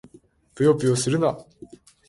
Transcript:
ぷよぷよするな！